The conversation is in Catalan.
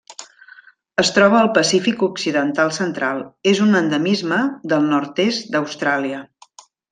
Es troba al Pacífic occidental central: és un endemisme del nord-est d'Austràlia.